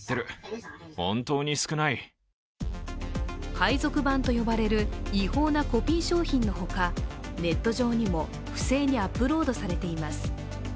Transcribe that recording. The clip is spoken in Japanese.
海賊版と呼ばれる違法なコピー商品のほかネット上にも不正にアップロードされています。